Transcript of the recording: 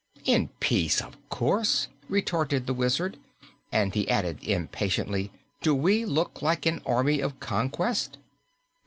"In peace, of course," retorted the Wizard, and he added impatiently, "Do we look like an army of conquest?"